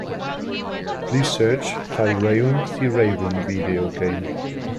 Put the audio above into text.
Please search Thirayum Theeravum video game.